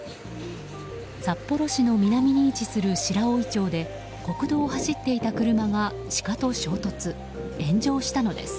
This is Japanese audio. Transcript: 札幌市の南に位置する白老町で国道を走っていた車がシカと衝突・炎上したのです。